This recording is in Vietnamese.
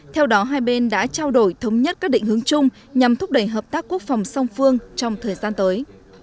theo đó hai bên đã trao đổi thống nhất các định hướng chung nhằm thúc đẩy hợp tác quốc phòng song phương trong thời gian tới